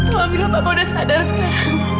tolong bila papa udah sadar sekarang